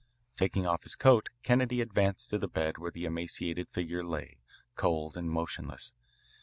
Taking off his coat, Kennedy advanced to the bed where the emaciated figure lay, cold and motionless.